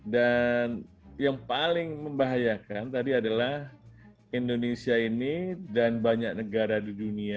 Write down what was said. dan yang paling membahayakan tadi adalah indonesia ini dan banyak negara di dunia